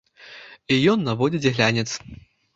І ён наводзіць глянец.